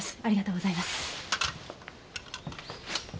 ありがとうございます。